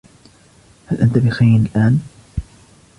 هل أنتَ بخير الآن ؟